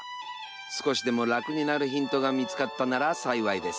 少しでもラクになるヒントが見つかったなら幸いです。